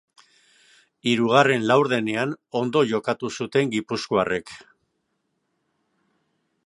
Hirugarren laurdenean ondo jokatu zuten gipuzkoarrek.